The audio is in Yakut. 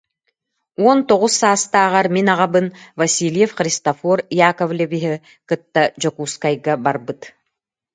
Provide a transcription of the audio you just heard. Уон тоҕус саастааҕар мин аҕабын Васильев Христофор Яковлевиһы кытта Дьокуускайга барбыт